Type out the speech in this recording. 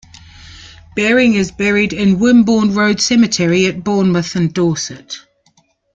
Baring is buried in Wimborne Road Cemetery at Bournemouth in Dorset.